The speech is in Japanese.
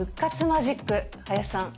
マジック林さん